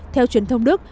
theo truyền thông đức